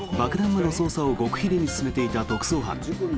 魔の捜査を極秘裏に進めていた特捜班。